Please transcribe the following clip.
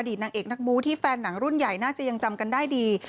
นางเอกนักบู้ที่แฟนหนังรุ่นใหญ่น่าจะยังจำกันได้ดี